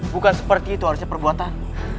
bukan seperti itu harusnya perbuatan